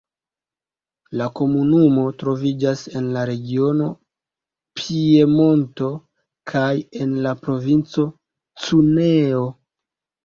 La komunumo troviĝas en la regiono Piemonto kaj en la Provinco Cuneo.